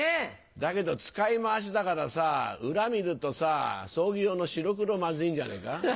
だけど使い回しだからさ裏見るとさ葬儀用の白黒まずいんじゃねえか？